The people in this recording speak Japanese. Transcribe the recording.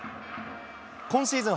今シーズン